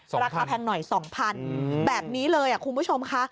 สองพันราคาแพงหน่อยสองพันอืมแบบนี้เลยอ่ะคุณผู้ชมค่ะ